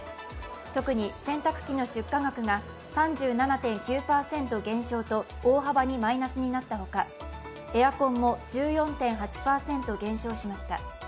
特に洗濯機の出荷額が３７．９％減少と大幅にマイナスになったほかエアコンも１４．８％減少しました。